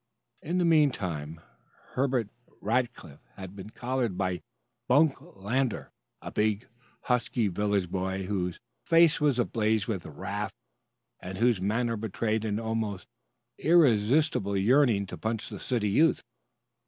In the meantime, Herbert Rackliff had been collared by Bunk Lander, a big, husky village boy, whose face was ablaze with wrath and whose manner betrayed an almost irresistible yearning to punch the city youth.